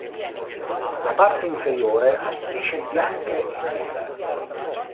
La parte inferiore ha strisce bianche e nere.